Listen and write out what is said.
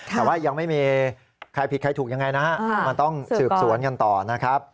แต่ว่ายังไม่มีใครผิดใครถูกยังไงนะฮะมันต้องสืบสวนกันต่อนะครับ